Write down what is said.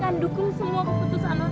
saya kan dukung semua keputusan non